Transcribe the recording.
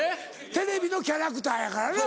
テレビのキャラクターやからな。